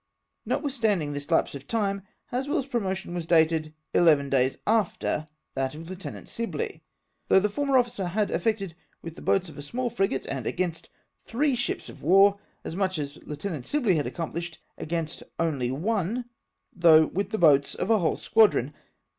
Notmthstanding this lapse of time, HasweU's promotion was dated eleven days after that of Lieutenant Sibley ! though the former officer had effected with the boats of a small frigate, and against three ships of war, as much as Lieutenant Sibley had accomphshed against only (??ze, though with the boats of a whole squadron